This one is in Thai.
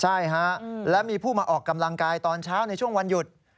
ใช่ฮะและมีผู้มาออกกำลังกายตอนเช้าในช่วงวันหยุด